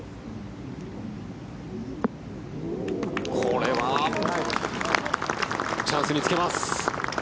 これはチャンスにつけます。